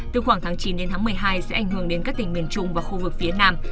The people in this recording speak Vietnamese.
từ khoảng tháng chín đến tháng một mươi hai sẽ ảnh hưởng đến các tỉnh miền trung và khu vực phía nam